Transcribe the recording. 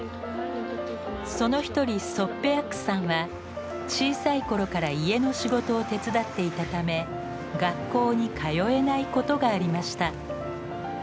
その一人ソッペアックさんは小さい頃から家の仕事を手伝っていたため学校に通えないことがありました。